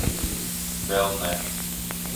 Vēl ne.